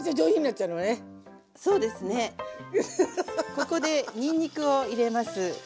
ここでにんにくを入れます。